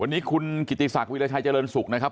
วันนี้คุณกิติศักดิราชัยเจริญสุขนะครับ